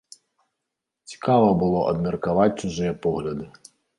Цікава было абмеркаваць чужыя погляды.